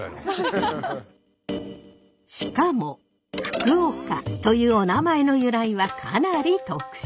しかも福岡というお名前の由来はかなり特殊。